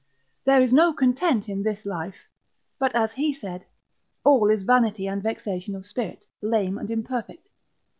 There is no content in this life, but as he said, All is vanity and vexation of spirit; lame and imperfect.